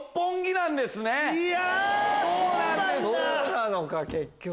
そうなのか結局。